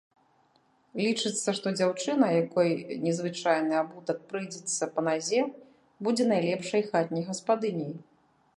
Лічыцца, што дзяўчына, якой незвычайны абутак прыйдзецца па назе, будзе найлепшай хатняй гаспадыняй.